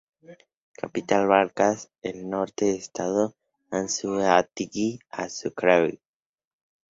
Capital, vargas, el norte de Estado Anzoátegui y Sucre.